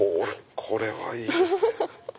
これはいいですね。